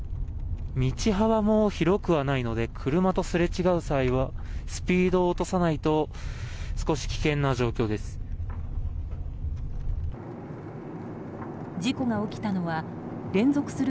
道幅も広くはないので車とすれ違う際はスピードを落とさないと少し危険な状態です。